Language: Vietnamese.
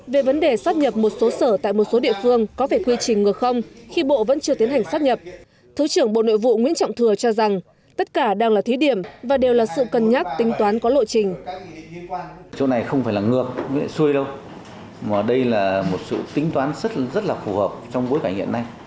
về vấn đề sắp nhập một số sở tại một số địa phương có về quy trình ngược khi bộ vẫn chưa tiến hành sắp nhập thứ trưởng bộ nội vụ nguyễn trọng thừa cho rằng tất cả đang là thí điểm và đều là sự cân nhắc tính toán có lộ trình